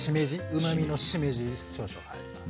うまみのしめじ少々入ります。